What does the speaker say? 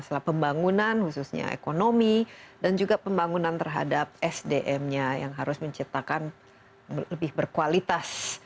masalah pembangunan khususnya ekonomi dan juga pembangunan terhadap sdm nya yang harus menciptakan lebih berkualitas